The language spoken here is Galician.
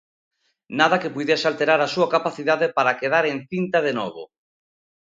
Nada que puidese alterar a súa capacidade para quedar encinta de novo.